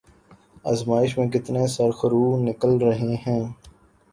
آزمائش میں کتنے سرخرو نکل رہے ہیں۔